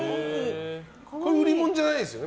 売り物じゃないですよね。